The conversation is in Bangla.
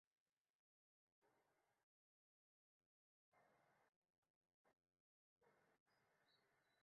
তিনি পরে ঢাকা কলেজে ভর্তি হন এবং সেখান থেকে বিজ্ঞান বিভাগে উচ্চ মাধ্যমিক পাস করেন।